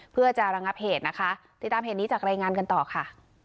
เพื่อจะระงับเหตุนะคะติดตามเหตุนี้จากรายงานกันต่อค่ะ